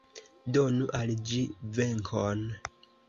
Donu al ĝi venkon!